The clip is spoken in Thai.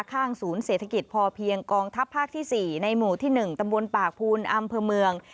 ข้างศูนย์เศรษฐกิจพอเพียงกองทัพภาคที่๔ในหมู่ที่๑ตำบลปากภูนอำเภอเมือง